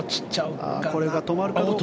これが止まるかどうか。